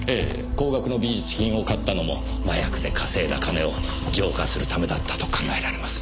高額の美術品を買ったのも麻薬で稼いだ金を浄化するためだったと考えられます。